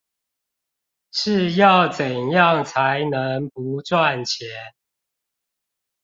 是要怎樣才能不賺錢